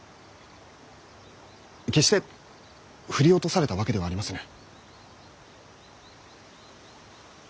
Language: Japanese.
決して振り落とされたわけではありませぬ。